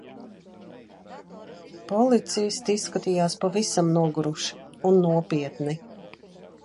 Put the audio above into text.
Policisti izskatījās pavisam noguruši un nopietni.